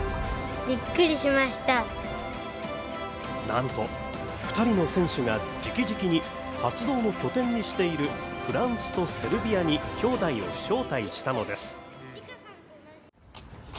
なんと２人の選手がじきじきに活動の拠点にしているフランスとセルビアに兄弟を招待したのです。